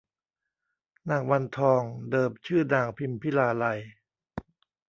นางวันทอง เดิมชื่อนางพิมพิลาไลย